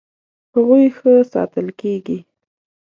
هغوی ښه ساتل کیږي.